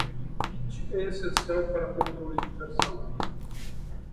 Git é essencial para controle de versão.